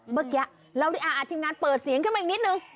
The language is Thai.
เมื่อกี้เราทีมงานเปิดเสียงขึ้นมาอีกนิดนึง